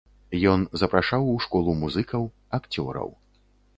Ён запрашаў у школу музыкаў, акцёраў.